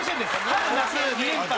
春夏２連覇。